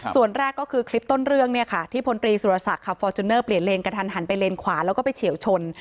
ส่วนแรกก็คือคลิปต้นเรื่องเนี่ยค่ะที่พลตรีสุรศักดิ์ขับฟอร์จูเนอร์เปลี่ยนเลนกระทันหันไปเลนขวาแล้วก็ไปเฉียวชน